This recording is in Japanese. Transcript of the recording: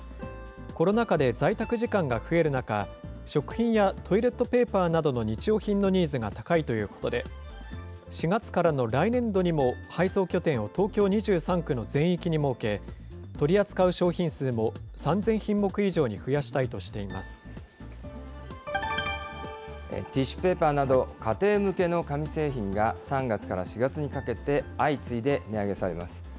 コロナ禍で在宅時間が増える中、食品やトイレットペーパーなどの日用品のニーズが高いということで、４月からの来年度にも配送拠点を東京２３区の全域に設け、取り扱う商品数も３０００品目以上ティッシュペーパーなど、家庭向けの紙製品が３月から４月にかけて相次いで値上げされます。